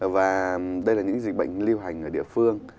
và đây là những dịch bệnh lưu hành ở địa phương